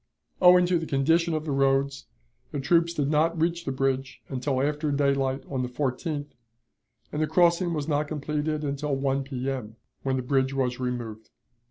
Owing to the condition of the roads the troops did not reach the bridge until after daylight on the 14th, and the crossing was not completed until 1 P.M., when the bridge was removed.